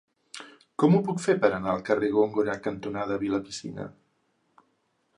Com ho puc fer per anar al carrer Góngora cantonada Vilapicina?